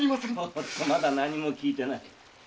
おっとまだ何も訊いてない。